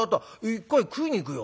一回食いに行くよ。